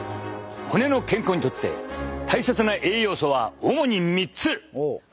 骨の健康にとって大切な栄養素は主に３つ！